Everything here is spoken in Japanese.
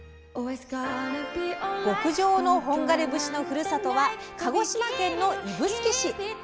極上の本枯節のふるさとは鹿児島県の指宿市。